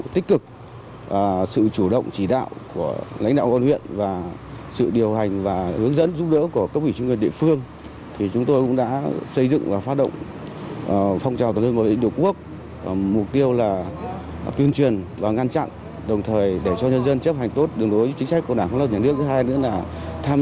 tích cực trong phong trào toàn dân đối tác tội phạm